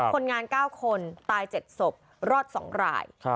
คนงาน๙คนตาย๗ศพรอด๒ราย